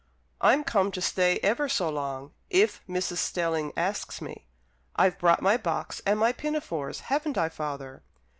"I'm come to stay ever so long, if Mrs. Stelling asks me. I've brought my box and my pinafores, haven't I, father?"